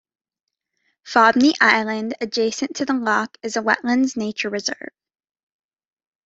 Fobney Island, adjacent to the lock, is a wetlands nature reserve.